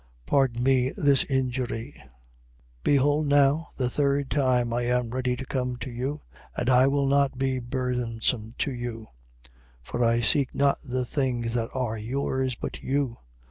Pardon me this injury. 12:14. Behold now the third time I am ready to come to you and I will not be burthensome unto you. For I seek not the things that are yours, but you.